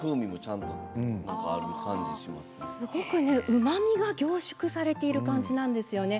うまみが凝縮されている感じなんですよね。